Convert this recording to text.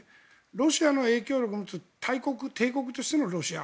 ロシアの影響力を持つ大国、帝国としてのロシア。